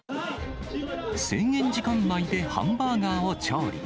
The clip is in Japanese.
制限時間内でハンバーガーを調理。